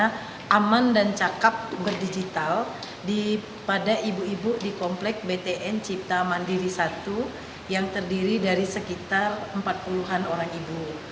karena aman dan cakep berdigital pada ibu ibu di komplek btn cipta mandiri satu yang terdiri dari sekitar empat puluh an orang ibu